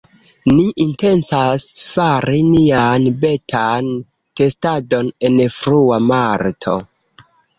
Ni intencas fari nian betan testadon en frua marto